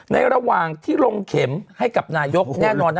ระหว่างที่ลงเข็มให้กับนายกแน่นอนนะ